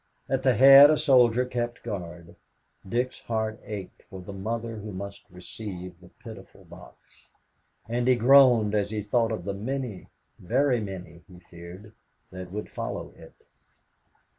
At the head a soldier kept guard. Dick's heart ached for the mother who must receive the pitiful box. And he groaned as he thought of the many, very many, he feared, that would follow it.